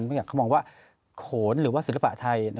เพราะฉะนั้นเขามองว่าโขนหรือว่าศิลปะไทย